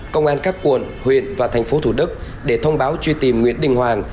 công an các quận huyện và thành phố thủ đức để thông báo truy tìm nguyễn đình hoàng